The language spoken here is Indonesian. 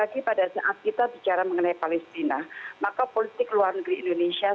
kita bicara mengenai palestina maka politik luar negeri indonesia